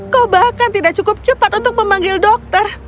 kau bahkan tidak cukup cepat untuk memanggil dokter